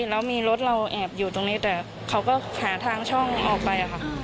แล้วมีรถเราแอบอยู่ตรงนี้แต่เขาก็หาทางช่องออกไปค่ะ